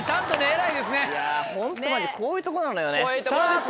いやホントマジでこういうとこなのよね。